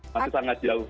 masih sangat jauh